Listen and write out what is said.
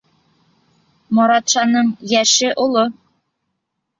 Моратшаның йәше оло.